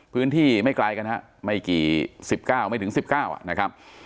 ไม่ไกลกันฮะไม่กี่๑๙ไม่ถึง๑๙นะครับ